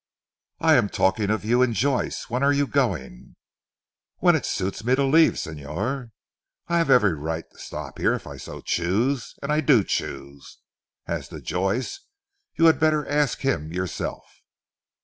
"I am talking of you and Joyce. When are you going?" "When it suits me to leave, Señor. I have every right to stop here if I so choose, and I do choose. As to Joyce, you had better ask him yourself."